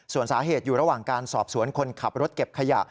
ส่วนสาเหตุอยู่ระหว่างการสอบสวนคนขับรถเก็บขยะ